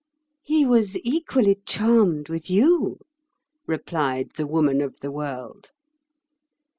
"He was equally charmed with you," replied the Woman of the World.